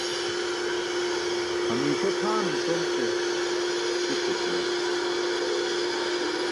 Hamiiśa tʰaanum tom ce tiṣ yaćila.